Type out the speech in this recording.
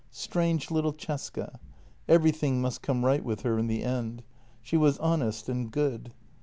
Strange little Cesca ! Everything must come right with her in the end. She was honest and good.